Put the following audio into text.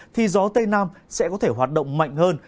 thì gió tây nam sẽ có thể hoạt động mạnh hơn